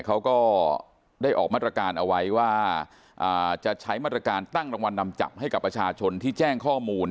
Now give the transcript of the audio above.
เขาก็ได้ออกมาตรการเอาไว้ว่าจะใช้มาตรการตั้งรางวัลนำจับให้กับประชาชนที่แจ้งข้อมูล